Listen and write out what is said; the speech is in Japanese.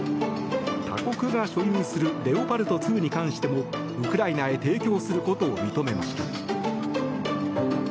他国が所有するレオパルト２に関してもウクライナへ提供することを認めました。